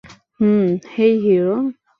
Hmm - hey, hero!